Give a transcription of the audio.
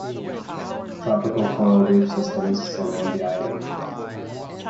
Tropical coral reef systems surround the island.